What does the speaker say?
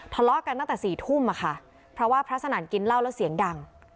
ทะเลาะกันตั้งแต่สี่ทุ่มอะค่ะเพราะว่าพระสนั่นกินเหล้าแล้วเสียงดัง